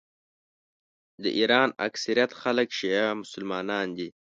د ایران اکثریت خلک شیعه مسلمانان دي.